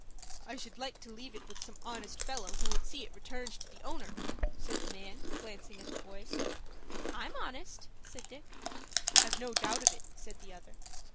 "I should like to leave it with some honest fellow who would see it returned to the owner," said the man, glancing at the boys. "I'm honest," said Dick. "I've no doubt of it," said the other.